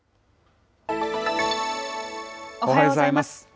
おはようございます。